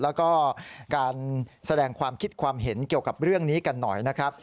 แล้วก็การแสดงความคิดความเห็นเกี่ยวกับเรื่องนี้กันหน่อยนะครับ